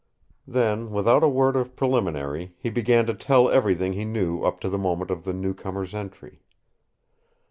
Then, without a word of preliminary, he began to tell everything he knew up to the moment of the newcomer's entry.